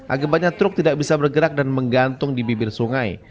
akibatnya truk tidak bisa bergerak dan menggantung di bibir sungai